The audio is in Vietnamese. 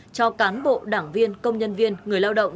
cho cán bộ đảng viên công nhân viên người lao động